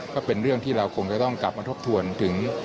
ก็เป็นเรื่องที่เราคงจะต้องกลับมาทบทวนถึง